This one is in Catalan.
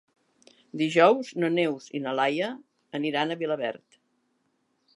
Dijous na Neus i na Laia aniran a Vilaverd.